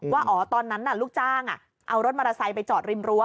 ว่าอ๋อตอนนั้นลูกจ้างเอารถมอเตอร์ไซค์ไปจอดริมรั้